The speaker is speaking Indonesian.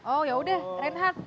oh yaudah reinhardt